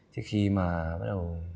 thì khi mà bắt đầu